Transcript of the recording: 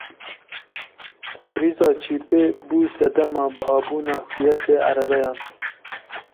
Krîza çîpê bû sedema bihabûna fiyetê erebeyan.